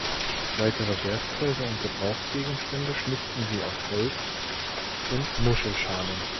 Weitere Werkzeuge und Gebrauchsgegenstände schnitzten sie aus Holz und Muschelschalen.